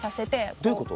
どういうこと？